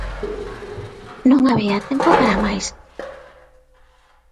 Non había tempo para máis.